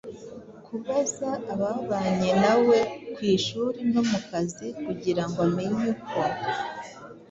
kubaza ababanye na we ku ishuri no mu kazi kugira ngo amenye uko